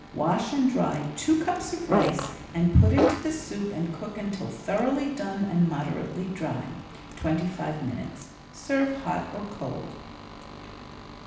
Wash and dry two cups of rice and put into the soup and cook until thoroughly done and moderately dry (twenty five minutes). Serve hot or cold.